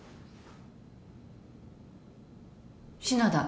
篠田。